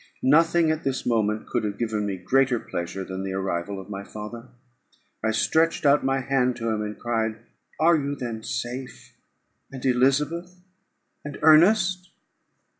Nothing, at this moment, could have given me greater pleasure than the arrival of my father. I stretched out my hand to him, and cried "Are you then safe and Elizabeth and Ernest?"